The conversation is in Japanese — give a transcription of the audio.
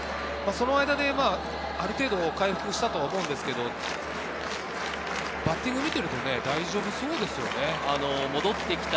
その間である程度、回復したと思うんですけれど、バッティング見てると大丈夫そうですよねい。